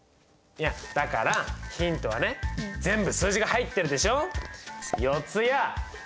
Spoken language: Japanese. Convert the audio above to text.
いやだからヒントはね全部数字が入ってるでしょ。